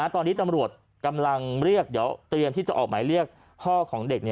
ตอนนี้ตำรวจกำลังเรียกเดี๋ยวเตรียมที่จะออกหมายเรียกพ่อของเด็ก